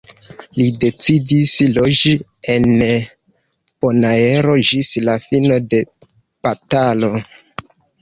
Li decidis loĝi en Bonaero ĝis la fino de batalo.